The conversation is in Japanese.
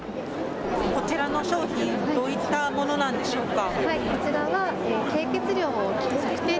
こちらの商品どういったものなんでしょうか。